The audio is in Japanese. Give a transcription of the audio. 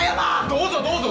どうぞどうぞ。